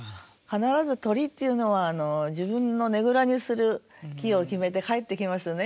必ず鳥っていうのは自分のねぐらにする木を決めて帰ってきますよね